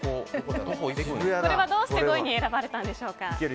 これは、どうして５位に選ばれたんでしょうか？